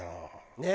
ねえ。